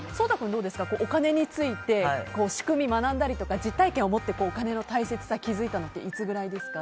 お金について仕組みを学んだりとかお金の大切さに気づいたのっていつぐらいですか？